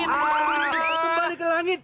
kembali ke langit